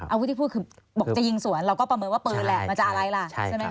อาวุธที่พูดคือบอกจะยิงสวนเราก็ประเมินว่าปืนแหละมันจะอะไรล่ะใช่ไหมค